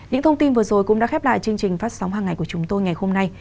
những thông tin vừa rồi cũng đã khép lại chương trình phát sóng hàng ngày của chúng tôi ngày hôm nay